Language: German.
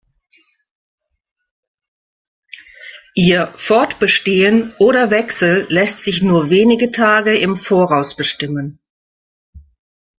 Ihr Fortbestehen oder Wechsel lässt sich nur wenige Tage im Voraus bestimmen.